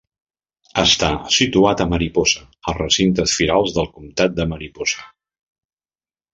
Està situat a Mariposa als recintes firals del comtat de Mariposa.